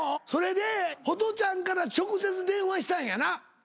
それでホトちゃんから直接電話したんやな？